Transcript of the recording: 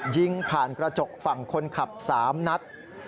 ยิงผ่านกระจกฝั่งคนขับ๓นัด